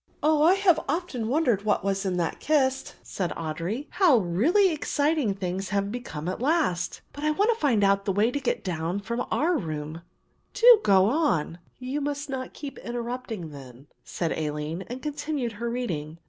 "Oh, I have often wondered what was in that kist," said Audry; "how really exciting things have become at last, but I want to find out the way to get down from our room; do go on." [Illustration: THE OLD SWORD KIST.] "You must not keep interrupting then," said Aline and continued her reading.